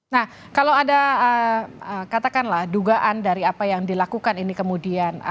nah kalau ada katakanlah dugaan dari apa yang dilakukan ini kemudian